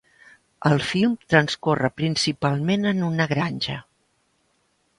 El film transcorre principalment en una granja.